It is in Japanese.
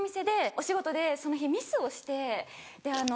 お仕事でその日ミスをして。